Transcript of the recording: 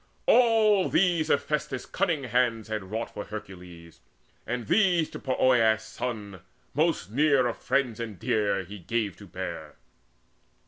All these Hephaestus' cunning hands had wrought For Hercules; and these to Poeas' son, Most near of friends and dear, he gave to bear.